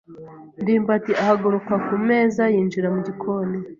ndimbati ahaguruka ku meza yinjira mu gikoni.